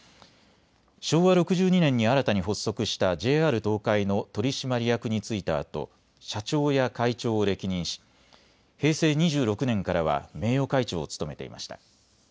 昭和６２年に新たに発足したＪＲ東海の取締役に就いたあと社長や会長を歴任し平成２６年からは名誉会長を務めていました。